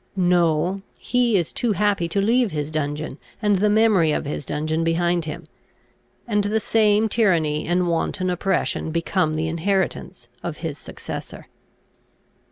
No; he is too happy to leave his dungeon, and the memory of his dungeon, behind him; and the same tyranny and wanton oppression become the inheritance of his successor.